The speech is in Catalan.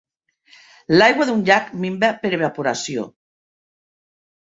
L'aigua d'un llac minva per evaporació.